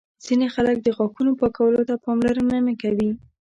ځینې خلک د غاښونو پاکولو ته پاملرنه نه کوي.